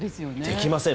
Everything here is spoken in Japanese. できません。